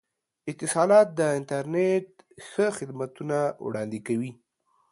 اتصالات د انترنت ښه خدمتونه وړاندې کوي.